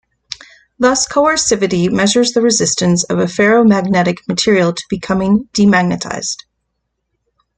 Thus coercivity measures the resistance of a ferromagnetic material to becoming demagnetized.